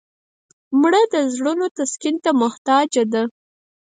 مړه د زړونو تسکین ته محتاجه ده